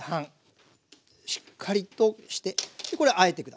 しっかりとしてでこれあえて下さい。